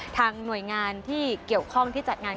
หน่วยงานที่เกี่ยวข้องที่จัดงาน